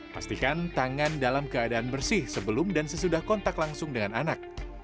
pastikan tangan dalam keadaan bersih sebelum dan sesudah kontak langsung dengan anak